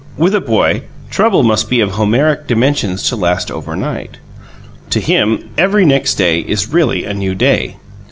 With a boy, trouble must be of Homeric dimensions to last overnight. To him, every next day is really a new day.